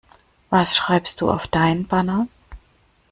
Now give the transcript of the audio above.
Was schreibst du auf dein Banner?